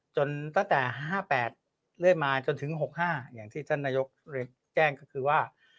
ตั้งแต่๕๘เรื่อยมาจนถึง๖๕อย่างที่ท่านนายกแจ้งก็คือว่า